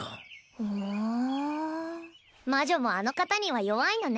ふぅん魔女もあの方には弱いのね。